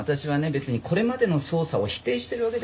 別にこれまでの捜査を否定してるわけではないんですよ。